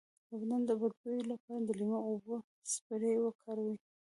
د بدن د بد بوی لپاره د لیمو او اوبو سپری وکاروئ